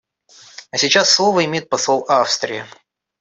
А сейчас слово имеет посол Австрии.